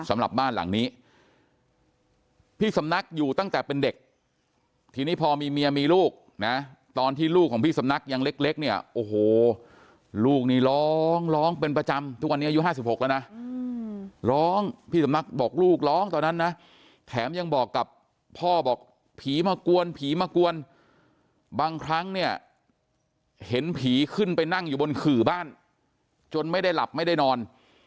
สำหรับบ้านหลังนี้พี่สำนักอยู่ตั้งแต่เป็นเด็กทีนี้พอมีเมียมีลูกนะตอนที่ลูกของพี่สำนักยังเล็กเนี่ยโอ้โหลูกนี่ร้องร้องเป็นประจำทุกวันนี้อายุ๕๖แล้วนะร้องพี่สำนักบอกลูกร้องตอนนั้นนะแถมยังบอกกับพ่อบอกผีมากวนผีมากวนบางครั้งเนี่ยเห็นผีขึ้นไปนั่งอยู่บนขื่อบ้านจนไม่ได้หลับไม่ได้นอน